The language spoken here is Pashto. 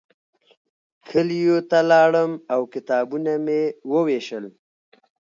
کلیو ته لاړم او کتابونه مې ووېشل.